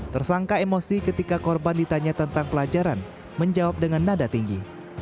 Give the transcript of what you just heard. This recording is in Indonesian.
tersangka emosi ketika korban ditanya tentang pelajaran menjawab dengan nada tinggi